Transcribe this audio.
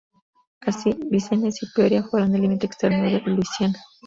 Así, Vincennes y Peoria fueron el límite externo de Luisiana.